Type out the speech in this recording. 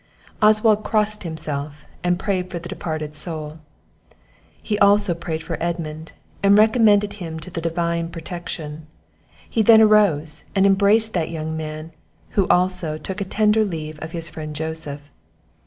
Oswald crossed himself, and prayed for the departed soul; he also prayed for Edmund, and recommended him to the Divine protection. He then arose, and embraced that young man; who, also, took a tender leave of his friend Joseph.